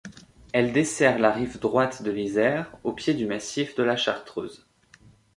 Elle dessert la rive droite de l'Isère, au pied du massif de la Chartreuse.